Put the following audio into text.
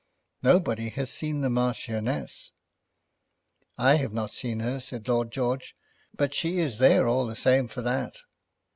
Nobody has seen the Marchioness!" "I have not seen her," said Lord George; "but she is there all the same for that."